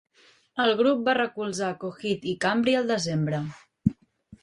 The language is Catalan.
El grup va recolzar Coheed i Cambria al desembre.